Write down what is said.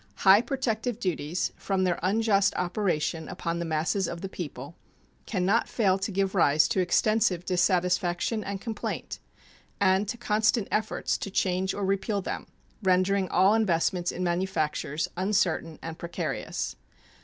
High protective duties, from their unjust operation upon the masses of the people, can not fail to give rise to extensive dissatisfaction and complaint and to constant efforts to change or repeal them, rendering all investments in manufactures uncertain and precarious.